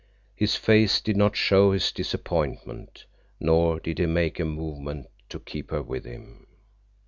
His face did not show his disappointment, nor did he make a movement to keep her with him.